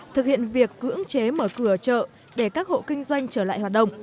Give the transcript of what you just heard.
thực hiện việc cưỡng chế mở cửa chợ để các hộ kinh doanh trở lại hoạt động